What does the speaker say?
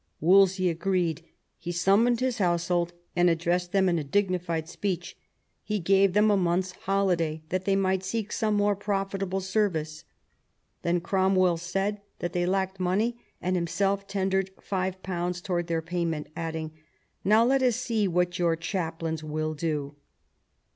Wolsey agreed ; he summoned his household, and addressed them in a dignified speech ; he gave them a month's holiday, that they might seek some more profitable service. Then Cromwell said that they lacked money, and himself tendered five pounds towards their payment, adding, " Now let us see what your chap lains will do."